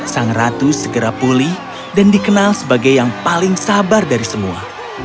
sang ratu segera pulih dan dikenal sebagai yang paling sabar dari semua